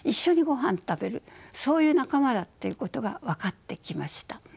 そういう仲間だっていうことが分かってきました。